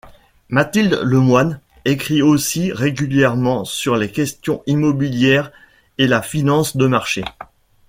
Mathilde Lemoine écrit aussi régulièrement sur les questions immobilières et la finance de marchés.